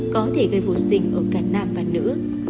có thể gây vô sinh ở cả nam và nữ